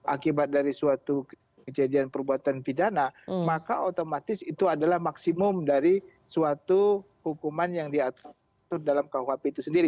akibat dari suatu kejadian perbuatan pidana maka otomatis itu adalah maksimum dari suatu hukuman yang diatur dalam kuhp itu sendiri